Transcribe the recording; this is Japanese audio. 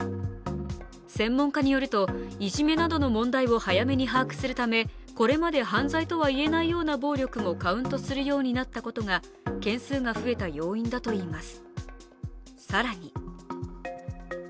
専門家によると、いじめなどの問題を早めに把握するためこれまで犯罪とは言えないような暴力もカウントするようになったことが件数が増えた要因だといいます。